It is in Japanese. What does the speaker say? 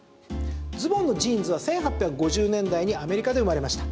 ズボンのジーンズは１８５０年代にアメリカで生まれました。